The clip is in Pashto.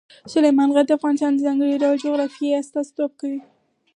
سلیمان غر د افغانستان د ځانګړي ډول جغرافیه استازیتوب کوي.